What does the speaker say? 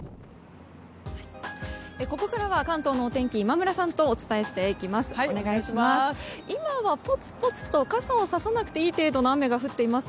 ここからは関東のお天気今村さんとお伝えしていきます。